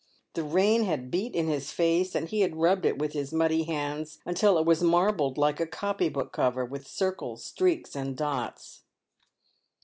The rain had beat in his face, and he had rubbed it with his muddy hands until it was marbled like a copybook cover, with circles, streaks, and dots.